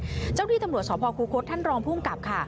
เจ้าหน้าที่ตำรวจสภคูคศท่านรองภูมิกับค่ะ